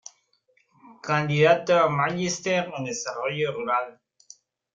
Candidato a magíster en Desarrollo Rural.